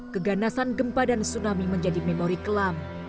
keganasan gempa dan tsunami menjadi memori kelam